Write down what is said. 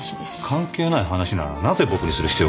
関係ない話ならなぜ僕にする必要が？